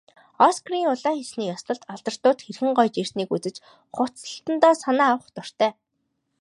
Оскарын улаан хивсний ёслолд алдартнууд хэрхэн гоёж ирснийг үзэж, хувцаслалтдаа санаа авах дуртай.